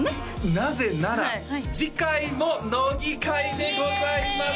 なぜなら次回も乃木回でございます！